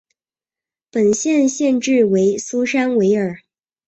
本县县治为苏珊维尔。